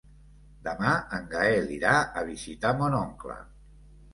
Demà en Gaël irà a visitar mon oncle.